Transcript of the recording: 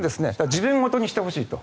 自分ごとにしてほしいと。